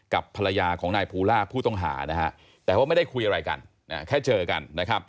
กับภรรยาของนายภูราผู้ต้องหาแต่ว่าไม่ได้คุยอะไรกันแค่เจอกัน